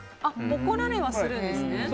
怒られはするんですね。